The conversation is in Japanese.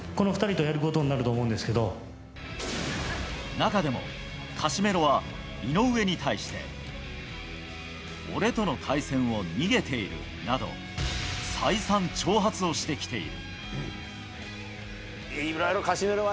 中でもカシメロは井上に対して「俺との対戦を逃げている」など再三、挑発をしてきている。